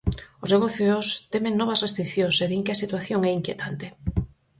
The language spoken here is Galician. Os negocios temen novas restricións e din que a situación é inquietante.